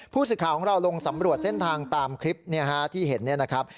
ผู้สิทธิ์ของเราลงสำรวจเส้นทางตามคลิปเนี่ยฮะที่เห็นเนี่ยนะครับ